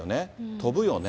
飛ぶよね。